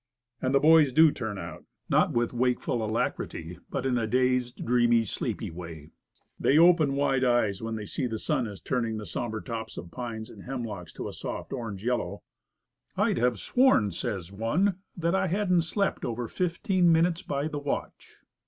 And the boys do turn out. Not with wakeful alacrity, but in a dazed, dreamy, sleepy way. They open wide eyes, when they see that the sun is turning the sombre tops of pines and hemlocks to a soft orange yellow. "I'd have sworn," says one, "that I hadn't slept over fifteen minutes by the watch."